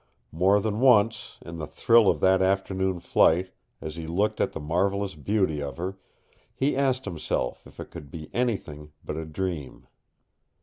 More than once, in the thrill of that afternoon flight, as he looked at the marvelous beauty of her, he asked himself if it could be anything but a dream.